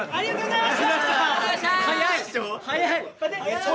ありがとうございます。